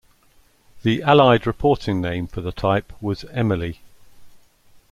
The Allied reporting name for the type was "Emily".